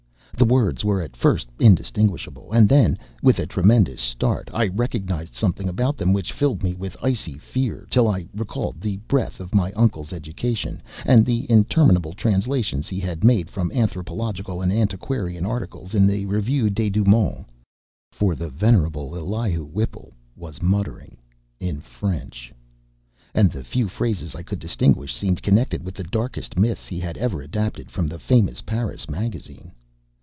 The words were at first indistinguishable, and then with a tremendous start I recognized something about them which filled me with icy fear till I recalled the breadth of my uncle's education and the interminable translations he had made from anthropological and antiquarian articles in the Revue des Deux Mondes. For the venerable Elihu Whipple was muttering in French, and the few phrases I could distinguish seemed connected with the darkest myths he had ever adapted from the famous Paris magazine.